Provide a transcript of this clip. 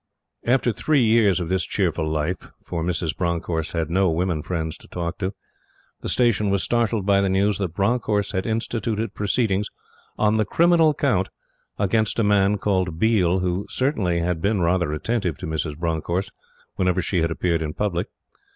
After three years of this cheerful life for Mrs. Bronckhorst had no woman friends to talk to the Station was startled by the news that Bronckhorst had instituted proceedings ON THE CRIMINAL COUNT, against a man called Biel, who certainly had been rather attentive to Mrs. Bronckhorst whenever she had appeared in public.